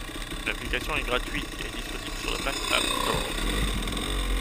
L'application est gratuite et disponible sur le Mac App Store.